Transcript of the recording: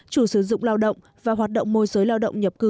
chủ sử dụng lao động và hoạt động môi giới lao động nhập cư